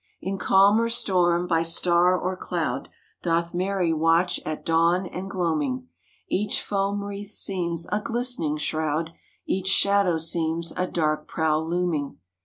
In calm or storm, by star or cloud Doth Mary watch at dawn and gloaming, Each foam wreath seems a glistening shroud, Each shadow seems a dark prow looming.